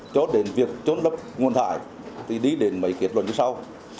cho đến việc trôn lấp nguồn thải thì đi đến mấy kết luận như sau